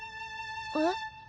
えっ？